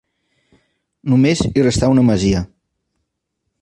Només hi restà una masia.